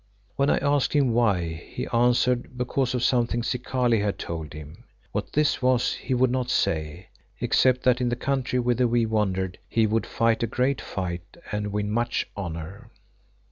When I asked him why, he answered because of something Zikali had told him. What this was he would not say, except that in the country whither we wandered he would fight a great fight and win much honour.